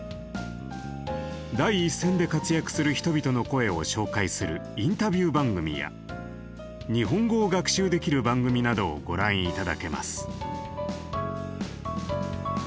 第一線で活躍する人々の声を紹介するインタビュー番組や日本語を学習できる番組などをご覧頂けます。